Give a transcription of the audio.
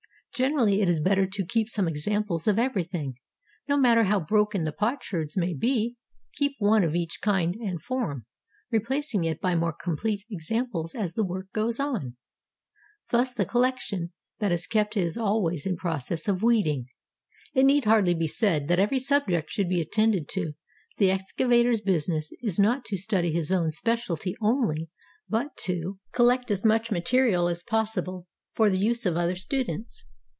Generally it is better to keep some examples of everything. No mat ter how broken the potsherds may be, keep one of each kind and form, replacing it by more complete examples as the work goes on. Thus the collection that is kept is always in process of weeding. It need hardly be said that every subject should be attended to; the excavator's business is not to study his own specialty only, but to 83 EGYPT collect as much material as possible for the use of other students.